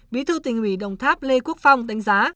bí thư tỉnh ủy đồng tháp lê quốc phong đánh giá